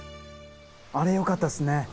あれよかったっすね。